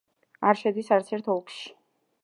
არ შედის არც ერთ ოლქში.